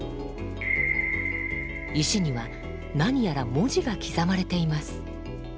石には何やら文字が刻まれています。